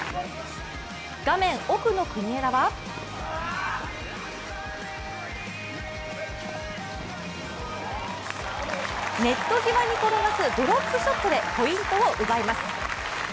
画面奥の国枝はネット際に転がすドロップショットでポイントを奪います。